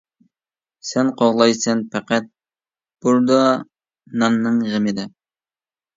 سەن قوغلايسەن پەقەت بۇردا ناننىڭ غېمىدە.